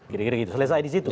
gini gini selesai di situ